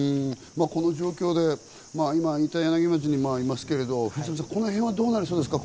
この状況で板柳町に今いますけど、この辺はどうなりそうですか？